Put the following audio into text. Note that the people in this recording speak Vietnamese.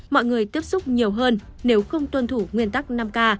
mọi người tiếp xúc nhiều hơn nếu không tuân thủ nguyên tắc năm k